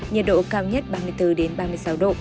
nhiệt độ cao nhất ba mươi bốn ba mươi sáu độ